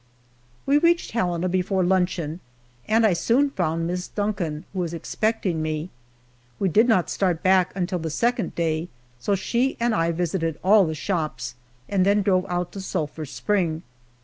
We reached Helena before luncheon, and I soon found Miss Duncan, who was expecting me. We did not start back until the second day, so she and I visited all the shops and then drove out to Sulphur Spring.